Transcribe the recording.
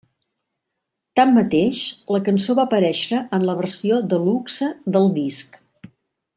Tanmateix, la cançó va aparèixer en la versió de luxe del disc.